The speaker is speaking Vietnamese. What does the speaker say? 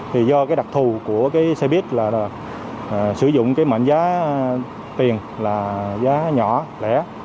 thì do cái đặc thù của cái xe buýt là sử dụng cái mệnh giá tiền là giá nhỏ lẻ